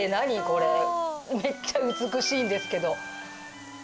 これめっちゃ美しいんですけど。